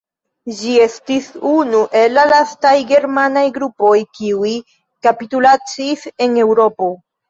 Ĝi estis unu el la lastaj germanaj grupoj kiuj kapitulacis en Eŭropo.